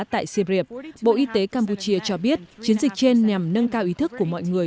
tại siep bộ y tế campuchia cho biết chiến dịch trên nhằm nâng cao ý thức của mọi người